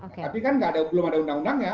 nah tapi kan belum ada undang undangnya